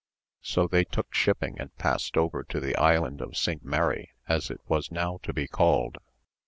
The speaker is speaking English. So they took shipping and passed over to the Island of St. Mary, as it was now to be called.